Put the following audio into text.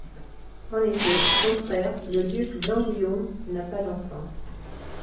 En effet, son frère, le duc Jean-Guillaume, n'a pas d'enfants.